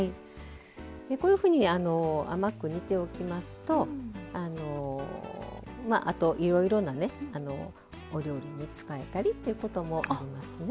こういうふうに甘く煮ておきますとあと、いろいろなお料理に使えたりということもありますね。